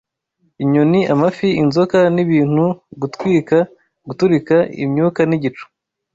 inyoni, amafi, inzoka nibintu, Gutwika, guturika, imyuka nigicu